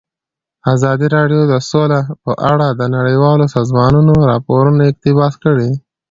ازادي راډیو د سوله په اړه د نړیوالو سازمانونو راپورونه اقتباس کړي.